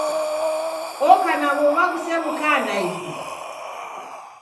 Oka na w'ow'a ghusew'uka naighu!